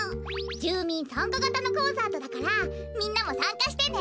じゅうみんさんかがたのコンサートだからみんなもさんかしてね！